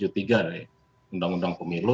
dari undang undang pemilu